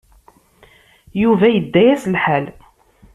Yuba yedda-as lḥal.